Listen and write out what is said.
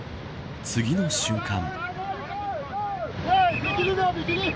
次の瞬間。